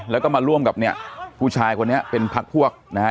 แล้วก็มาร่วมกับเนี่ยผู้ชายคนนี้เป็นพักพวกนะฮะ